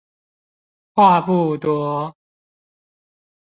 話不多